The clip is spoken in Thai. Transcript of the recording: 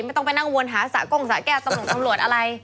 ไม่ต้องไปนั่งวนหาสระก้งสะแก้วตำรวจอะไร